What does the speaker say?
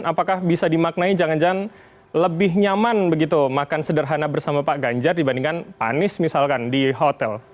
apakah bisa dimaknai jangan jangan lebih nyaman begitu makan sederhana bersama pak ganjar dibandingkan pak anies misalkan di hotel